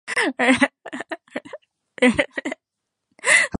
Títì pa ni ìlẹ̀kùn àwọn mọ́ṣáláàṣí kan wà ní ìpínlẹ̀ Eko.